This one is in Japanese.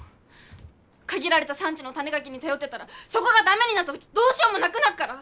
限られた産地の種ガキに頼ってたらそこが駄目になった時どうしようもなくなっから！